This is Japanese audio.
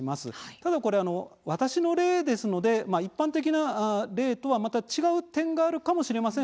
ただ、これ私の例ですので一般的な例とはまた違う点があるかもしれません。